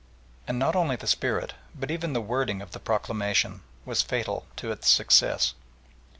And not only the spirit, but even the wording of the proclamation, was fatal to its success.